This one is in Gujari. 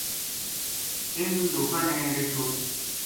اِنھ لوکاں نے رچھ اُ